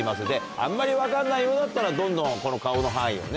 あんまり分かんないようだったらどんどんこの顔の範囲をね